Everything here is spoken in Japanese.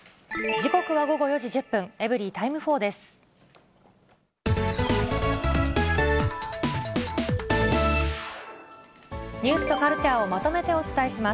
時刻は午後４時１０分、エブリィタイム４です。